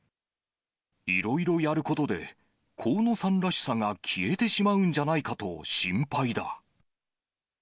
いろいろやることで、河野さんらしさが消えてしまうんじゃとないかと心配だ。